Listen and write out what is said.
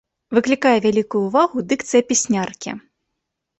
Выклікае вялікую ўвагу дыкцыя пясняркі.